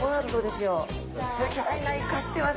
すギョいないかしてますね。